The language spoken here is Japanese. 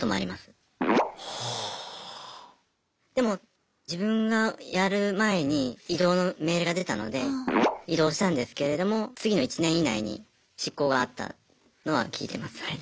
でも自分がやる前に異動の命令が出たので異動したんですけれども次の１年以内に執行があったのは聞いてます。